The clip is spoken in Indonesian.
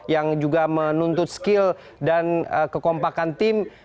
yang juga menuntut skill dan kekompakan tim